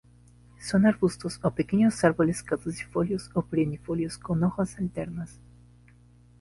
Son arbustos o pequeños árboles caducifolios o perennifolios con hojas alternas.